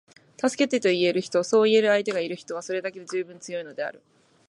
「助けて」と言える人，そう言える相手がいる人は，それだけで十分強いのである．